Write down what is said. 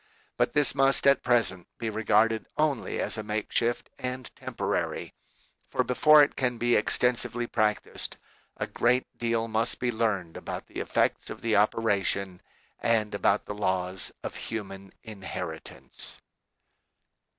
But this must at present be regarded only as a makeshift and temporary, for before it can be extensively practiced, a great deal must be learned about the effects of the operation and about the laws of human inheritance.